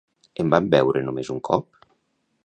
En van veure només un cop?